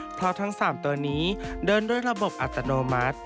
เพราะทั้ง๓ตัวนี้เดินด้วยระบบอัตโนมัติ